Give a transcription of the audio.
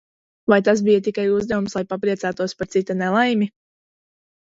Vai tas bija tikai uzdevums, lai papriecātos par cita nelaimi?